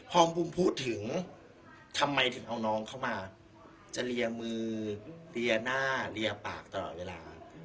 พอบุมพูดถึงทำไมถึงเอาน้องเข้ามาจะเรียมือเรียหน้าเรียปากตลอดเวลา